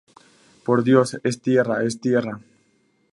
¡ por Dios, es tierra, es tierra!